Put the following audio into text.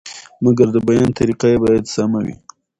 مګر د بیان طریقه یې باید سمه وي.